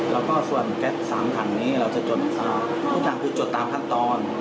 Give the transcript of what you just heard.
แล้วก็ส่วนแก๊ส๓ถังนี้เราจะจดทุกอย่างคือจดตามขั้นตอน